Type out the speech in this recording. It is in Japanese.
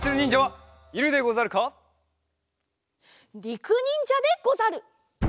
りくにんじゃでござる！